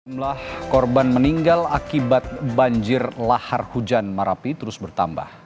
jumlah korban meninggal akibat banjir lahar hujan marapi terus bertambah